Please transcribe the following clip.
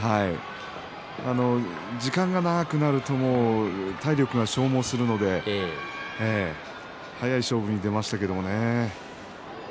時間が長くなると体力が消耗するので早い勝負に出ましたけれどね。